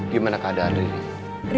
gimana keadaan riri